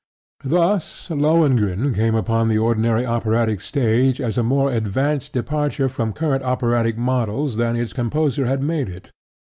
Thus Lohengrin came upon the ordinary operatic stage as a more advanced departure from current operatic models than its composer had made it.